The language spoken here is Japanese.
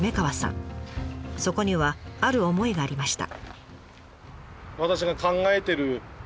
そこにはある思いがありました。